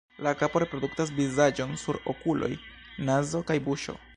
La kapo reproduktas vizaĝon kun okuloj, nazo kaj buŝo.